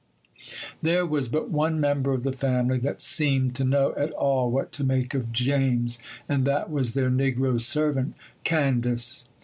There was but one member of the family that seemed to know at all what to make of James, and that was their negro servant, Candace.